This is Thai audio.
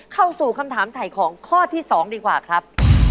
เข้าสู่คำถามถ่ายของข้อที่๒ดีกว่าครับ